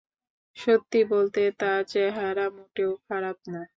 সত্যি বলতে, তার চেহারা মোটেও খারাপ না।